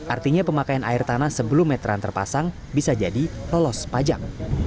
artinya pemakaian air tanah sebelum meteran terpasang bisa jadi lolos pajak